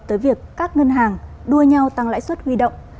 tới việc các ngân hàng đua nhau tăng lãi suất huy động